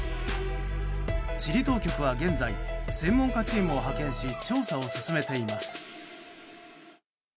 チリ当局は現在専門家チームを派遣し調査を進めています。